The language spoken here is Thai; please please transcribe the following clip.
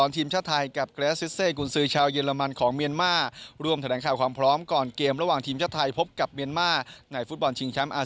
ติดตามได้งานจากคุณเกิดชัยคุณโทครับ